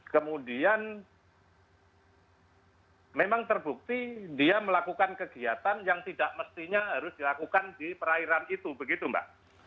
kemudian memang terbukti dia melakukan kegiatan yang tidak mestinya harus dilakukan di perairan itu begitu mbak